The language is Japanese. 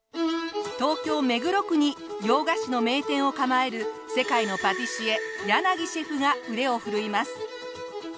東京目黒区に洋菓子の名店を構える世界のパティシエ柳シェフが腕を振るいます。